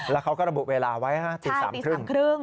แล้วเขาก็ระบุเวลาไว้ติดสามครึ่ง